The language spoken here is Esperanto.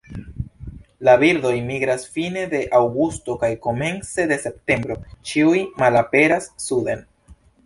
La birdoj migras fine de aŭgusto kaj komence de septembro ĉiuj malaperas suden.